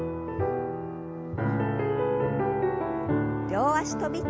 両脚跳び。